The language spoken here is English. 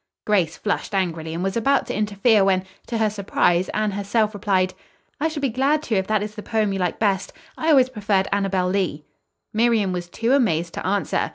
Grace flushed angrily and was about to interfere when, to her surprise, Anne herself replied: "I shall be glad to if that is the poem you like best. I always preferred 'Annabel Lee.'" Miriam was too amazed to answer.